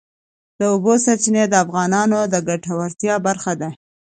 د اوبو سرچینې د افغانانو د ګټورتیا برخه ده.